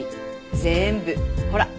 全部ほら。